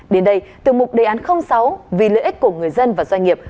đến đây tiêu mục đề án sáu vì lợi ích của người dân và doanh nghiệp